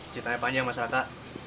ceritanya panjang mas raka